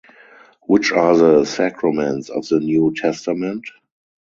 Which are the sacraments of the New Testament?